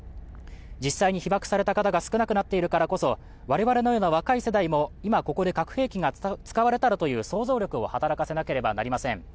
実際に被爆された方が少なくなっているからこそ我々のようなものも今ここで核兵器が使われたらという想像力を働かせなければなりません。